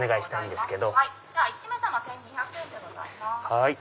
はい。